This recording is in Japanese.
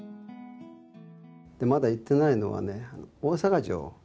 まだ行ってないのはね、大阪城。